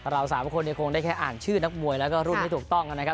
เราสามคนคงได้แค่อ่านชื่อนักมวยแล้วก็รุ่นที่ถูกต้องนะครับ